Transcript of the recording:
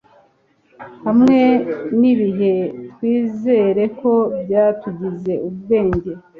hamwe nibihe twizere ko byatugize ubwenge